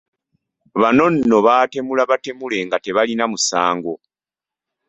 Bano nno baatemula batemule nga tebalina musango.